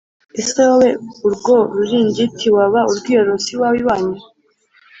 ese wowe urwo ruringiti waba urwiyorosa iwawe/iwanyu?